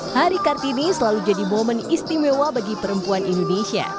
hari kartini selalu jadi momen istimewa bagi perempuan indonesia